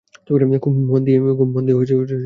খুব মন দিয়ে ছবিটা দেখবে।